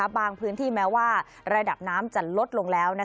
บางพื้นที่แม้ว่าระดับน้ำจะลดลงแล้ว